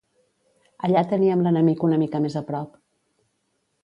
Allà teníem l'enemic una mica més a prop